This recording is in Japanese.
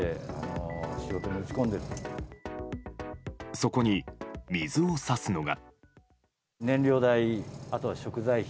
そこに水を差すのが。